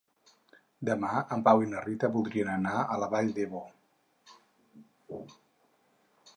Demà en Pau i na Rita voldrien anar a la Vall d'Ebo.